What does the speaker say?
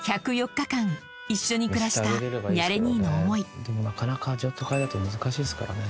それがなかなか譲渡会だと難しいですからね。